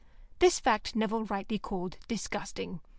This fact Nevill rightly called disgusting.